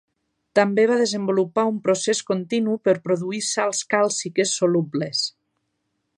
També va desenvolupar un procés continu per produir sals càlciques solubles.